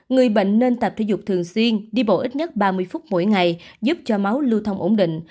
người bệnh nên tập thể dục thường xuyên đi bộ ít nhất ba mươi phút mỗi ngày giúp cho máu lưu thông ổn định